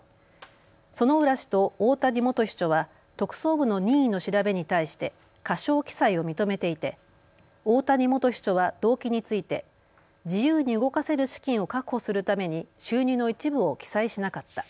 薗浦氏と大谷元秘書は特捜部の任意の調べに対して過少記載を認めていて大谷元秘書は動機について自由に動かせる資金を確保するために収入の一部を記載しなかった。